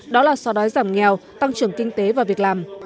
đó là so đói giảm nghèo tăng trưởng kinh tế và việc làm